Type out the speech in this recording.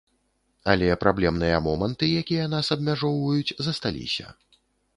Але праблемныя моманты, якія нас абмяжоўваюць, засталіся.